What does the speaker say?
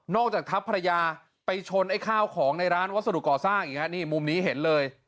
จากทัพภรรยาไปชนไอ้ข้าวของในร้านวัสดุก่อสร้างอย่างนี้นี่มุมนี้เห็นเลย